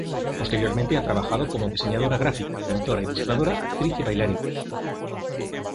Posteriormente ha trabajado como diseñadora gráfica, pintora, ilustradora, actriz y bailarina.